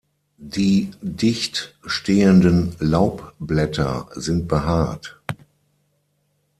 Die dicht stehenden Laubblätter sind behaart.